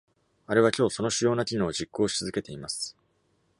あれは、今日、その主要な機能を実行し続けています。